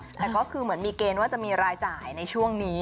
แต่ก็คือเหมือนมีเกณฑ์ว่าจะมีรายจ่ายในช่วงนี้